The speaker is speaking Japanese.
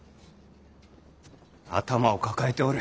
頭を抱えておる。